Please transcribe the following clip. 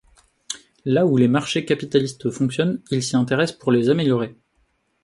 Là où les marchés capitalistes fonctionnent, il s'y intéresse pour les améliorer.